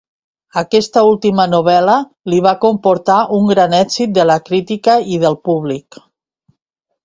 Aquesta última novel·la li va comportar un gran èxit de la crítica i del públic.